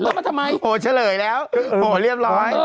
แล้วมันทำไมโอ้โฮเฉลยแล้วโอ้โฮเรียบร้อย